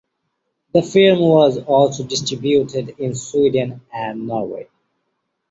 The film was also distributed in Sweden and Norway.